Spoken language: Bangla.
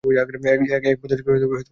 এক পদাতিক কুরাইশ দ্রুত আসে।